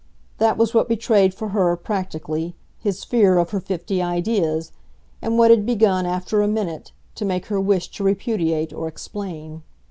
That was what betrayed for her, practically, his fear of her fifty ideas, and what had begun, after a minute, to make her wish to repudiate or explain.